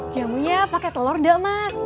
jemuhnya pake telor dah mas